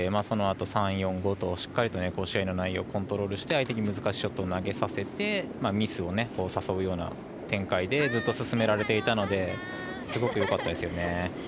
そのあと３、４、５としっかり試合内容をコントロールして相手に難しいショットを投げさせミスを誘う展開でずっと進められていたのですごくよかったですよね。